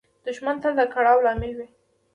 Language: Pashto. دښمن تل د کړاو لامل وي